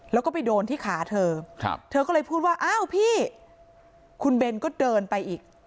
แล้วก็ไปโดนที่ขาเธอเธอก็เลยพูดว่าอ้าวพี่คุณเบนก็เดินไปอีก